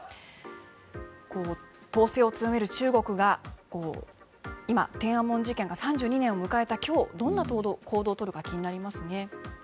統制を強める中国が今、天安門事件から３２年を迎えた今日どんな行動を取るか気になりますね。